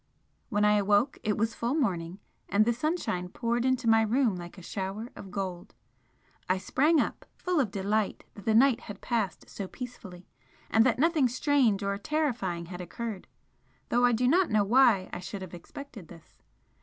When I awoke it was full morning, and the sunshine poured into my room like a shower of gold. I sprang up, full of delight that the night had passed so peacefully and that nothing strange or terrifying had occurred, though I do not know why I should have expected this.